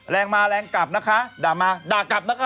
แรงมาแรงกลับนะคะด่ามาด่ากลับนะคะ